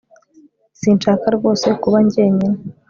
Sinshaka rwose kuba njyenyine